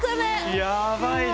やばいね！